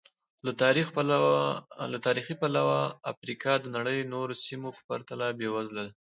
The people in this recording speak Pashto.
له تاریخي پلوه افریقا د نړۍ نورو سیمو په پرتله بېوزله ده.